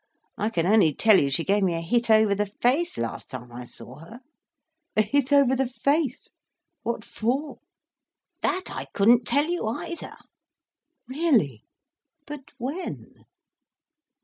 I can only tell you she gave me a hit over the face last time I saw her." "A hit over the face! What for?" "That I couldn't tell you, either." "Really! But when?"